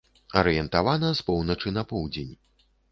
Арыентавана з поўначы на поўдзень.